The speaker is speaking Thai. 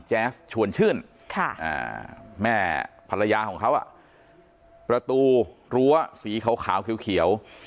แจ๊สชวนชื่นค่ะอ่าแม่ภรรยาของเขาอ่ะประตูรั้วสีขาวขาวเขียวเขียว